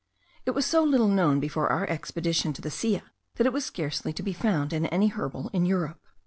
It was so little known before our expedition to the Silla, that it was scarcely to be found in any herbal in Europe.